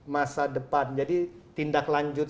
masa depan jadi tindak lanjut